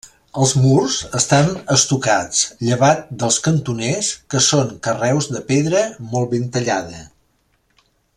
Els murs estan estucats, llevat dels cantoners que són carreus de pedra molt ben tallada.